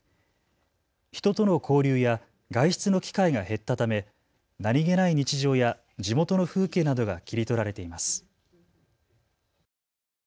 人との交流や外出の機会が減ったため、何気ない日常や地元の風景などが切り取られています。